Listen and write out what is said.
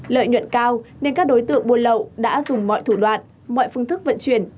lợi nhuận cao nên các đối tượng buôn lậu đã dùng mọi thủ đoạn mọi phương thức vận chuyển